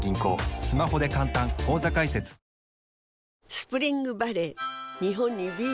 スプリングバレー